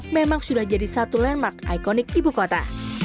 memang sudah jadi satu landmark ikonik ibu kota